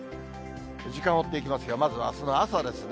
時間を追っていきますが、まずあすの朝ですね。